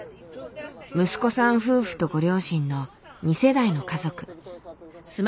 息子さん夫婦とご両親の２世代の家族。